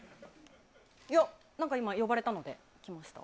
いや、何か今呼ばれたので来ました。